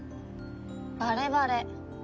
バレバレ。